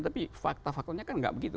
tapi fakta faktanya kan nggak begitu